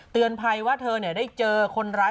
เตือนภัยว่าเธอได้เจอคนร้าย